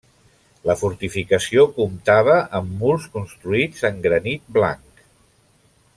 La fortificació comptava amb murs construïts en granit blanc.